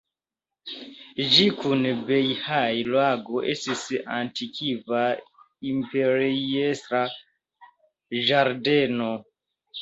Ĝi kun Bejhaj-lago estis antikva imperiestra ĝardeno.